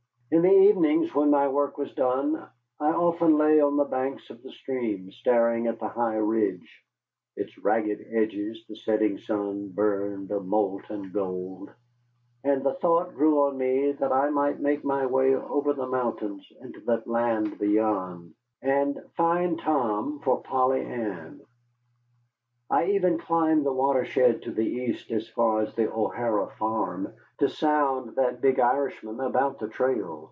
In the evening, when my work was done, I often lay on the banks of the stream staring at the high ridge (its ragged edges the setting sun burned a molten gold), and the thought grew on me that I might make my way over the mountains into that land beyond, and find Tom for Polly Ann. I even climbed the watershed to the east as far as the O'Hara farm, to sound that big Irishman about the trail.